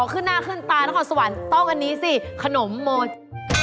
ขึ้นหน้าขึ้นตานครสวรรค์ต้องอันนี้สิขนมหมด